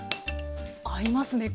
合いますね。